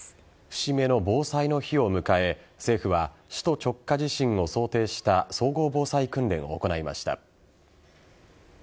節目の防災の日を迎え政府は首都直下地震を想定した総合防災訓練を行いました。